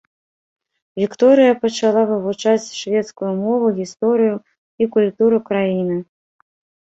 Вікторыя пачала вывучаць шведскую мову, гісторыю і культуру краіны.